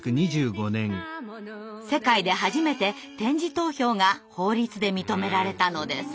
世界で初めて点字投票が法律で認められたのです。